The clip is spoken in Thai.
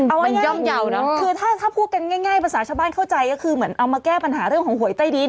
เอาง่ายคือถ้าพูดกันง่ายภาษาชาวบ้านเข้าใจก็คือเหมือนเอามาแก้ปัญหาเรื่องของหวยใต้ดิน